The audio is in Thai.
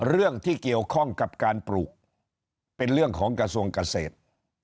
เรื่องที่เกี่ยวข้องกับการปลูกเป็นเรื่องของกระทรวงเกษตร